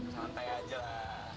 santai aja lah